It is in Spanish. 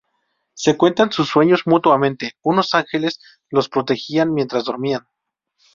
Se cuentan sus sueños mutuamente: unos ángeles los protegían mientras dormían.